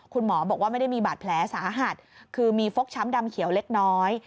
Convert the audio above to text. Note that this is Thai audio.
คุณหมอบอกว่าไม่ได้มีบาดแผลสาหัสคือมีฟกช้ำดำเขียวเล็กน้อย